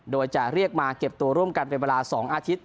โดยจะเรียกมาเก็บตัวร่วมกันเป็นเวลา๒อาทิตย